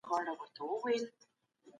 مسلکي کسان هیواد ته راګرځیدل.